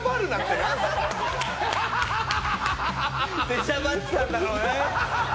出しゃばってたんだろうね。